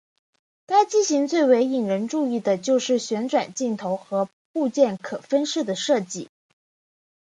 该机型最为引人注意的就是旋转镜头和部件可分式的设计。